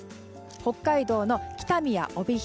北海道の北見や帯広